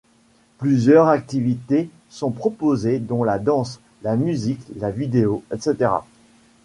Plusieurs activités sont proposées dont la danse, la musique, la vidéo, etc.